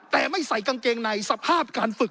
แต่ไม่ใส่กางเกงในสภาพการฝึก